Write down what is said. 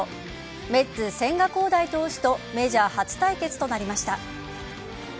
メッツ・千賀滉大投手とメジャー初対決となりました。